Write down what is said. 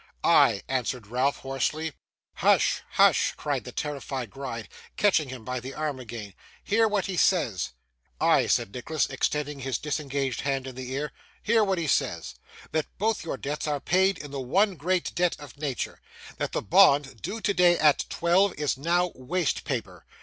'I!' answered Ralph, hoarsely. 'Hush, hush!' cried the terrified Gride, catching him by the arm again. 'Hear what he says.' 'Ay!' said Nicholas, extending his disengaged hand in the air, 'hear what he says. That both your debts are paid in the one great debt of nature. That the bond, due today at twelve, is now waste paper.